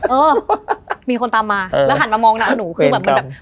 เออมีคนตามมาแล้วหันมามองหน้าหนูคือแบบเหมือนแบบ